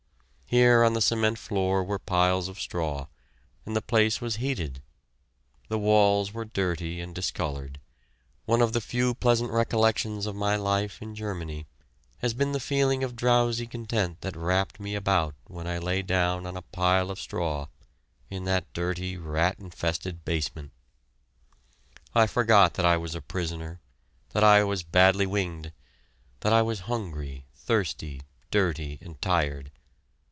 Here on the cement floor were piles of straw, and the place was heated. The walls were dirty and discolored. One of the few pleasant recollections of my life in Germany has been the feeling of drowsy content that wrapped me about when I lay down on a pile of straw in that dirty, rat infested basement. I forgot that I was a prisoner, that I was badly winged, that I was hungry, thirsty, dirty, and tired.